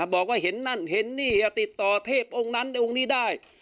บอกว่าเห็นนั่นเห็นนี่ติดต่อเทพองค์นั้นองค์นี้ได้